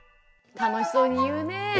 楽しそうに言うねえ。